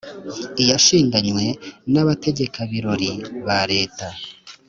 Iyashinganywe n'abategeka-birori ba Leta,